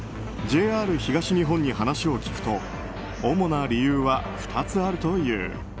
ＪＲ東日本に話を聞くと主な理由は２つあるという。